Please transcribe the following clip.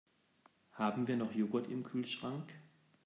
Haben wir noch Joghurt im Kühlschrank?